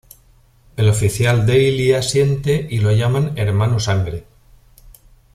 El oficial Daily asiente y lo llama "Hermano Sangre".